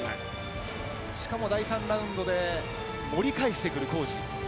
しかも第３ラウンドで盛り返してくる皇治。